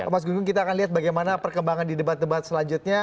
mas gugung kita akan lihat bagaimana perkembangan di debat debat selanjutnya